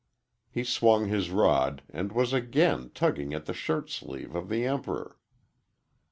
He swung his rod, and was again tugging at the shirt sleeve of the Emperor.